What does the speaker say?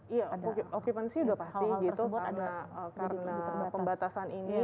iya okupansi udah pasti gitu karena pembatasan ini